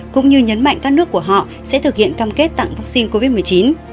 cũng như nhấn mạnh các nước của họ sẽ thực hiện cam kết tặng vaccine covid một mươi chín